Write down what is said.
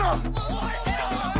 覚えてろよ。